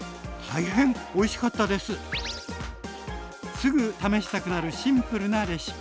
すぐ試したくなるシンプルなレシピ。